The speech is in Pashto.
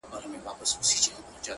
زه قلندر یم په یوه قبله باور لرمه .!